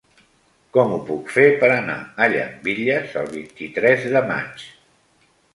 Com ho puc fer per anar a Llambilles el vint-i-tres de maig?